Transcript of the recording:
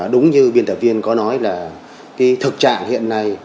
đúng như biên tập viên có nói là cái thực trạng hiện nay